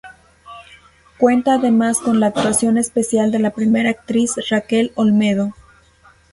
Cuenta además con la actuación especial de la primera actriz Raquel Olmedo.